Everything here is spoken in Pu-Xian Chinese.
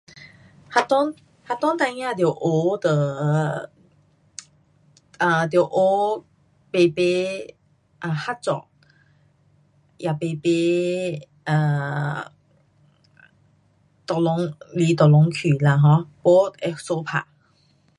学校，学校孩儿要学 um 要学排排合作。也排排 um